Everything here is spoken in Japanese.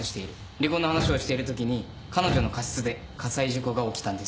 離婚の話をしているときに彼女の過失で火災事故が起きたんですよ。